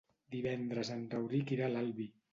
Divendres en Rauric irà a l'Albi.